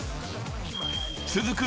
［続く